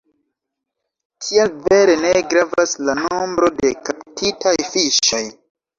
Tial vere ne gravas la nombro de kaptitaj fiŝoj.